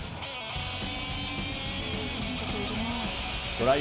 トライ！